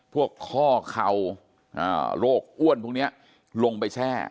พวกข้อเข่าอ่าโรคอ้วนพวกเนี้ยลงไปแช่